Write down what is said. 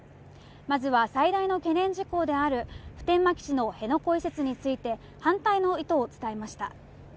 まずは最大の懸念事項である普天間基地の辺野古移設について、反対の意図を伝えました。